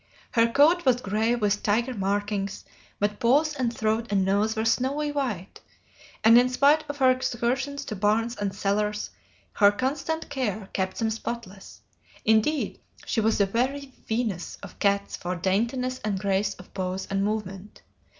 Her coat was gray with tiger markings, but paws and throat and nose were snowy white, and in spite of her excursions to barns and cellars her constant care kept them spotless indeed, she was the very Venus of cats for daintiness and grace of pose and movement.